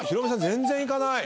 全然いかない！